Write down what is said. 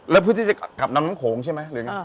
แล้วเพื่อที่จะกลับนำน้ำโขงใช่ไหมหรือไง